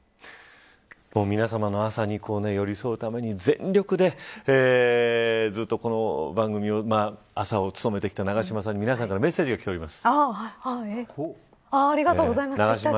皆さまの朝に寄り添うために全力でずっとこの番組を朝を務めてきた永島さんに皆さまからメッセージが来ております。